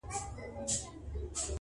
چي هر چا ویل احسان د ذوالجلال و,